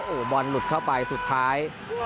โอ้โหบอลหลุดเข้าไปสุดท้าย